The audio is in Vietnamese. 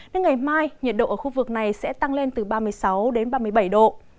nên ngày mai nhiệt độ ở khu vực này sẽ tăng lên từ ba mươi sáu đến ba mươi bảy độ